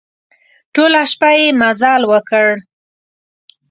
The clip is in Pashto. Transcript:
ټوله شپه يې مزل وکړ.